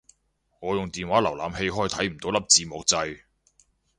我用電話瀏覽器開睇唔到粒字幕掣